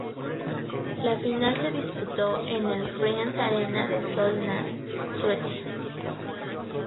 La final se disputó en el Friends Arena de Solna, Suecia.